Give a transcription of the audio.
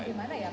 bagaimana ya pak